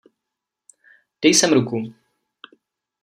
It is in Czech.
Dej sem ruku.